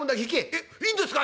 「えっ？いいんですか？